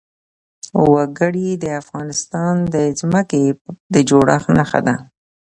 وګړي د افغانستان د ځمکې د جوړښت نښه ده.